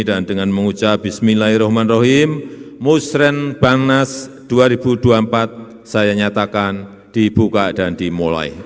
dan dengan mengucap bismillahirrahmanirrahim saya berharap semuanya bisa berhasil